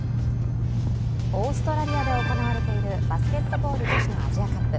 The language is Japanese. オーストラリアで行われているバスケットボール女子のアジアカップ。